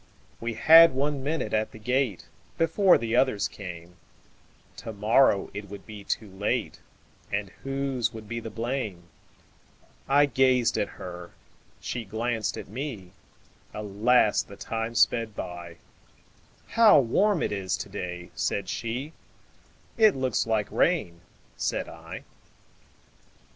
We had one minute at the gate, Before the others came; To morrow it would be too late, And whose would be the blame!I gazed at her, she glanced at me; Alas! the time sped by:"How warm it is to day!" said she;"It looks like rain," said I.